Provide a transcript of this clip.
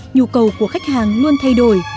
nhu cầu của khách hàng luôn thay đổi